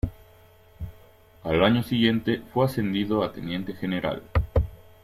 Al año siguiente fue ascendido a teniente general.